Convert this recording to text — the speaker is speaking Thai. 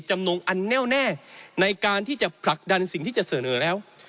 นงอันแน่วแน่ในการที่จะผลักดันสิ่งที่จะเสนอแล้ว